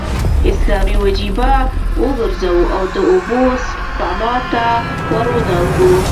اسلامي وجیبه وګرځو او د اوبو سپما ته ور ودانګو.